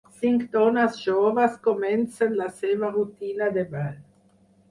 Cinc dones joves comencen la seva rutina de ball